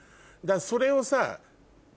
それをさ。